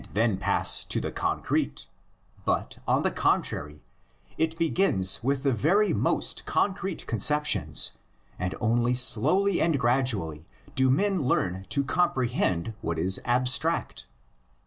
then pass to the concrete, but on the contrary, it begins with the very most concrete conceptions, and only slowly and gradually do men learn to compre hend what is abstract.